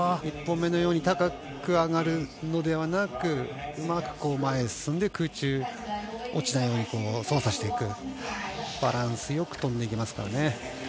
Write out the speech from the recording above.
１本目のように高く上がるのではなく、うまく前へ進んで空中落ちないように操作していく、バランスよく飛んでいきますからね。